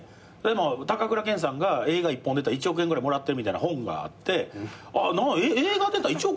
高倉健さんが映画１本出て１億円ぐらいもらってるみたいな本があって映画出たら１億円もらえんの？と思って。